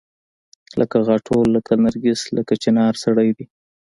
لکه غاټول لکه نرګس لکه چنارسړی دی